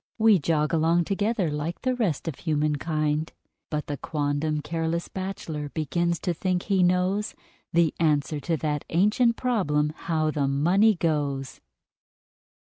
We jog along together, like the rest of human kind: But the quondam "careless bachelor" begins to think he knows The answer to that ancient problem "how the money goes"!